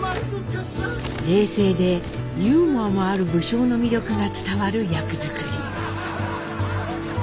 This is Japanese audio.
冷静でユーモアもある武将の魅力が伝わる役作り。